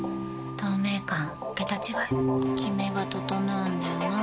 透明感桁違いキメが整うんだよな。